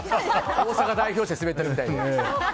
大阪代表して滑ってるみたいで。